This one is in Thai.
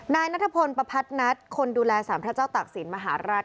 นายนัทพลประพัฒนัทคนดูแลสามพระเจ้าตักศิลปมหาราช